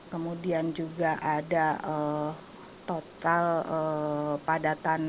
kemudian juga ada total padatan